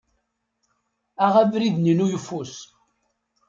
Aɣ abrid-nni n uyeffus.